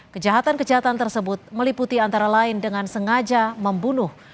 kejahatan kejahatan tersebut meliputi antara lain dengan sengaja membunuh